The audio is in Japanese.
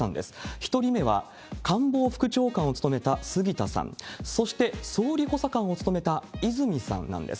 １人目は、官房副長官を務めた杉田さん、そして総理補佐官を務めた和泉さんなんです。